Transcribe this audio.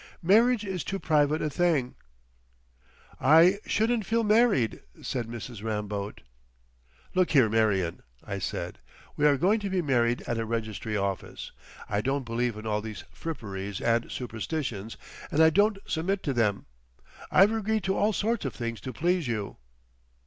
Marriage is too private a thing—" "I shouldn't feel married," said Mrs. Ramboat. "Look here, Marion," I said; "we are going to be married at a registry office. I don't believe in all these fripperies and superstitions, and I won't submit to them. I've agreed to all sorts of things to please you."